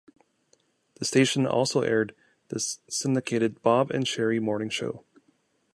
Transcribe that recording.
The station also aired the syndicated Bob and Sheri morning show.